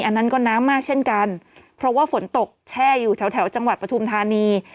อันนั้นก็น้ำมากเช่นกันเพราะว่าฝนตกแช่อยู่แถวแถวจังหวัดปฐุมธานี